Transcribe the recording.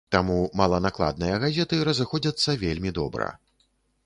Таму маланакладныя газеты разыходзяцца вельмі добра.